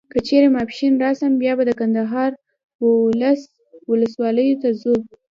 که چیري ماپښین راسم بیا به د کندهار و اولس ولسوالیو ته ځو.